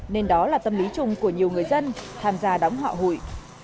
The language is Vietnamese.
nên đó là tâm lý chung của nhiều người dân tham gia đóng họ hụi